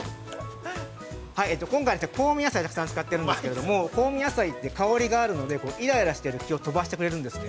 ◆今回は、香味野菜をたくさん使っているんですけれども、香味野菜って香りがあるのでイライラしている気を飛ばしてくれるんですよね。